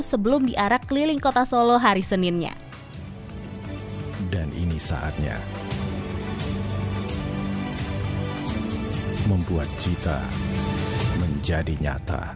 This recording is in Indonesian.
sebelum diarak keliling kota solo hari seninnya